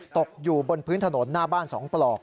ตกอยู่บนพื้นถนนหน้าบ้าน๒ปลอก